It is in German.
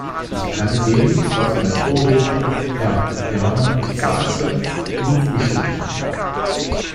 Ich kann dem, was mein Vorredner, Herr Herman, sagte, nur zustimmen.